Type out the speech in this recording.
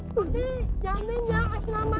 tapi jaminnya asal makan cecep boy